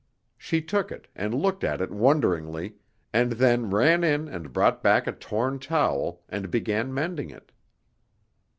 She took it, and looked at it wonderingly, and then ran in and brought back a torn towel, and began mending it.